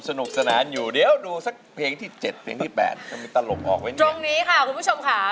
สนุกสนานอยู่ดูเพลงที่๗๘